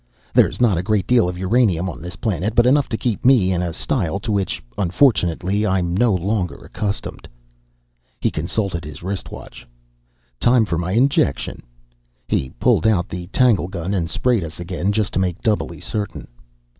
There's not a great deal of uranium on this planet, but enough to keep me in a style to which, unfortunately, I'm no longer accustomed." He consulted his wrist watch. "Time for my injection." He pulled out the tanglegun and sprayed us again, just to make doubly certain.